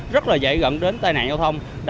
rất là dễ gận đến tai nạn giao thông